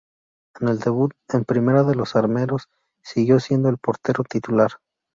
En el debut en Primera de los armeros siguió siendo el portero titular.